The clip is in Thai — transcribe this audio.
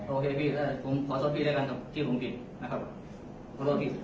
โอเคพี่ขอโทษพี่ด้วยกันที่ผมผิดขอโทษพี่